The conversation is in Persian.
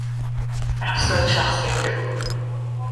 افسون شخصیت او